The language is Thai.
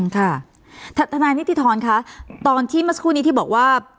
ค่ะทนายนิติธรคะตอนที่เมื่อสักครู่นี้ที่บอกว่า